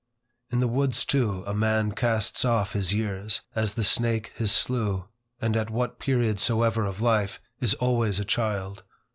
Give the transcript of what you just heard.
In the woods too, a man casts off his years, as the snake his slough, and at what period soever of life, is always a child.